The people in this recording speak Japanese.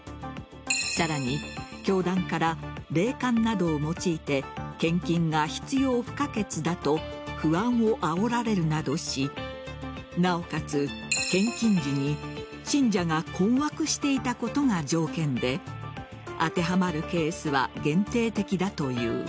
さらに、教団から霊感などを用いて献金が必要不可欠だと不安をあおられるなどしなおかつ、献金時に信者が困惑していたことが条件で当てはまるケースは限定的だという。